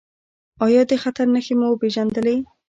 ایا د خطر نښې مو وپیژندلې؟